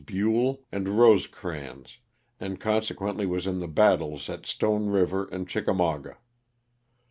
Buell and Rosecrans, and consequently was in the battles at Stone River and Chickamauga.